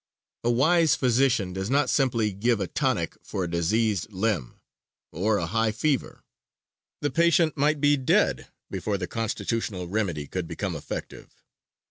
A wise physician does not simply give a tonic for a diseased limb, or a high fever; the patient might be dead before the constitutional remedy could become effective.